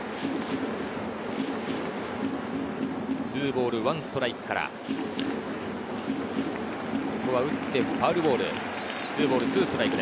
２ボール１ストライクからここは打ってファウルボール。